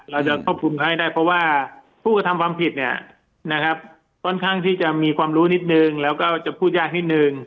เราจะเข้าควบคุมได้เพราะว่าภูเขาทำความผิดเนี้ยนะครับซ้อนทั้งที่จะมีความรู้นิดนึงแล้วก็จะพูดยากนิดนึง